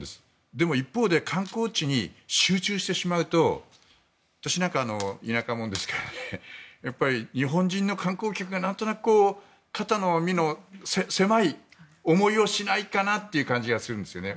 でも、一方で観光地に集中してしまうと私は田舎もんですから日本人の観光客がなんとなく肩身の狭い思いをしないかなという感じがするんですよね。